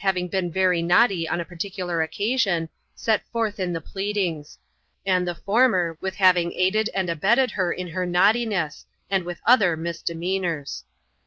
having been very naughty on a particular occasion, set forth in the pleadings ; and the £or~ mer, with having aided and abetted her in her naughtiness, and with other misdemeanors.